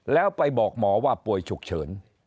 แล้วไปบอกหมอว่าป่วยฉุกเฉิน